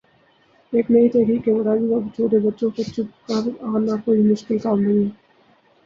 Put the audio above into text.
ایک نئی تحقیق کے مطابق اب چھوٹے بچوں کو چپ کر آنا کوئی مشکل کام نہیں ہے